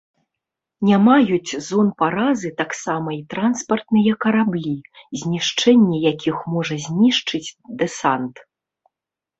Не маюць зон паразы таксама і транспартныя караблі, знішчэнне якіх можа знішчыць дэсант.